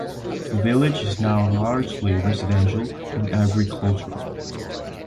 The village is now largely residential and agricultural.